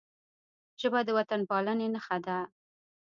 ژبه د وطنپالنې نښه ده